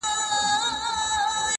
خوني خنجر نه دى چي څوك يې پـټ كــړي ـ